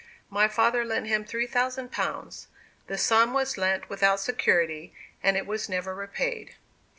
My father lent him three thousand pounds. The sum was lent without security, and it was never repaid."